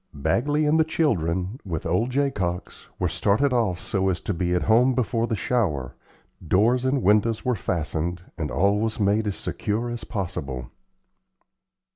Bagley and the children, with old Jacox, were started off so as to be at home before the shower, doors and windows were fastened, and all was made as secure as possible.